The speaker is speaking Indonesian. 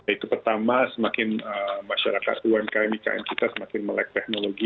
itu pertama semakin masyarakat umkm ikn kita semakin melek teknologi